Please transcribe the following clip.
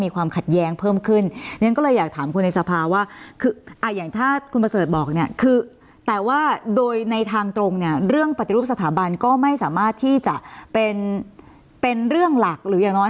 ก็ไม่สามารถที่จะเป็นเป็นเรื่องหลักหรือยังไง